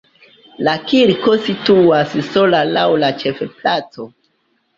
La kirko situas sola laŭ la ĉefplaco.